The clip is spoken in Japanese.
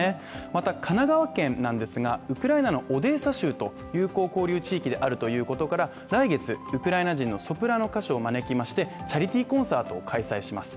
また神奈川県なんですがウクライナのオデーサ州と友好交流地域であるということから来月、ウクライナ人のソプラノ歌手を招きましてチャリティーコンサートを開催します。